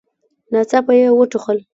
ناڅاپه يې وټوخل.